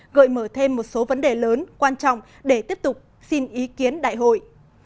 gợi mở thêm một số vấn đề lớn quan trọng để tiếp tục xin ý kiến đại hội